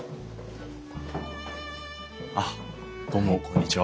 あっどうもこんにちは。